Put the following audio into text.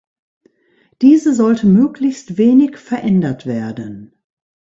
Diese sollte möglichst wenig verändert werden.